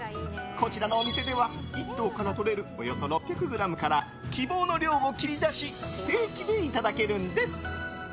こちらのお店では１頭から取れるおよそ６００ｇから希望の量を切り出しステーキでいただけるんです。